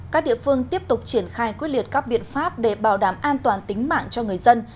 các địa phương tiếp tục triển khai quyết liệt các biện pháp để bảo đảm an toàn tính mạng cho người dân